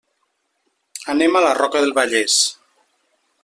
Anem a la Roca del Vallès.